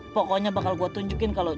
pokoknya bakal gue tunjukin kalau